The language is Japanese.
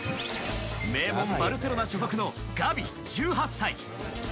名門バルセロナ所属のガビ、１８歳。